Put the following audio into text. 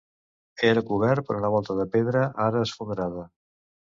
Era cobert per una volta de pedra ara esfondrada.